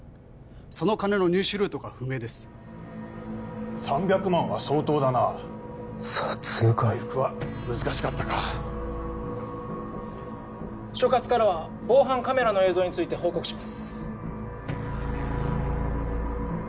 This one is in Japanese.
その金の入手ルートが不明です３００万は相当だなあ殺害回復は難しかったか所轄からは防犯カメラの映像について報告します